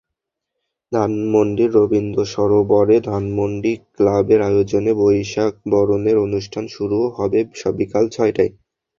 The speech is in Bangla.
ধানমন্ডির রবীন্দ্রসরোবরে ধানমন্ডি ক্লাবের আয়োজনে বৈশাখ বরণের অনুষ্ঠান শুরু হবে সকাল ছয়টায়।